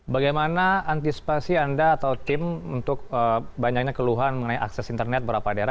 bagaimana antisipasi anda atau tim untuk banyaknya keluhan mengenai akses internet beberapa daerah